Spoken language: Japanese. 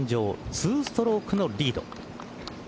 ２ストロークのリード。